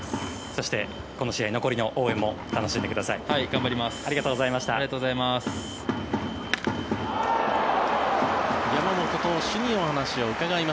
そして、この試合残りの応援も楽しんでください。